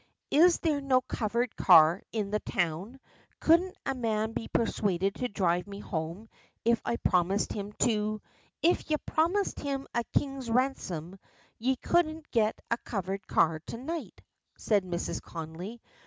"Is there no covered car in the town? Couldn't a man be persuaded to drive me home if I promised him to " "If ye promised him a king's ransom ye couldn't get a covered car to night," says Mrs. Connolly.